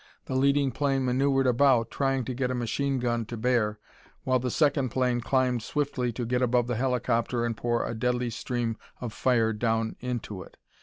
The leading plane maneuvered about, trying to get a machine gun to bear, while the second plane climbed swiftly to get above the helicopter and pour a deadly stream of fire down into it.